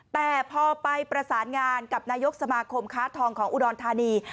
แต่พอไปประสานงานกับนายกสมาคมค้าทองของอุดรธานี